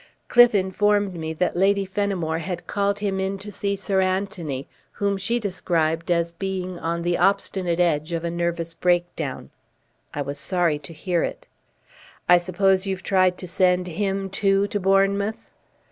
Cliffe informed me that Lady Fenimore had called him in to see Sir Anthony, whom she described as being on the obstinate edge of a nervous breakdown. I was sorry to hear it. "I suppose you've tried to send him, too, to Bournemouth?"